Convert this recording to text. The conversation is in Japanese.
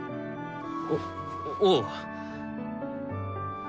おおう。